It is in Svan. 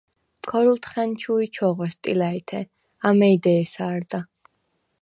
ქორულთხა̈ნჩუ̄ნ ჩოღვე სტილა̈ჲთე, ამეი დე̄სა არდა.